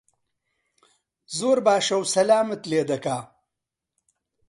زۆر باشە و سەلامت لێ دەکا